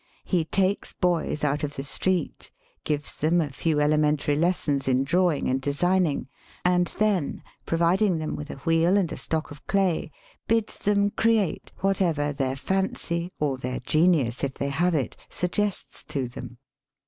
He takes boys out of the street, gives them a few elementary lessons in drawing and designing, and then, providing them with a wheel and a stock of clay, bids them create whatever their fancy, or their genius if they have it, suggests to them.